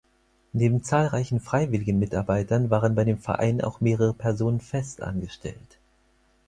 Neben zahlreichen freiwilligen Mitarbeitern waren bei dem Verein auch mehrere Personen fest angestellt.